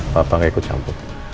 papa gak ikut campur